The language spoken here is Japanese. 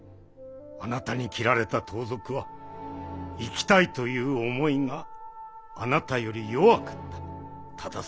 あなたに斬られた盗賊は生きたいという思いがあなたより弱かった。